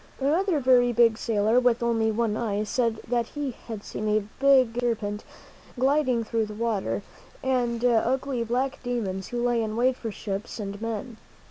Another very big sailor, with only one eye, said that he had seen a big serpent gliding through the water, and ugly black demons who lay in wait for ships and men.